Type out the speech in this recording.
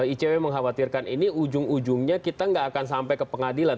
icw mengkhawatirkan ini ujung ujungnya kita nggak akan sampai ke pengadilan